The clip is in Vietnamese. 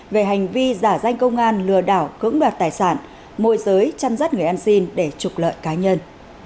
về hành vi giả danh công an lừa đảo cưỡng đoạt tài sản môi giới chăn rắt người ăn xin để trục lợi cá nhân